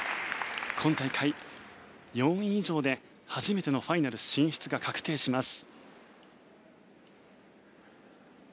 今大会、４位以上で初めてのファイナル進出が確定します。